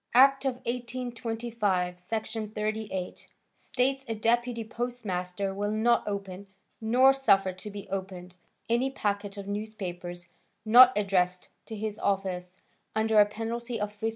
Act of 1825, Section 38, states a deputy postmaster will not open, nor suffer to be opened, any packet of newspapers, not addressed to his office, under a penalty of $50.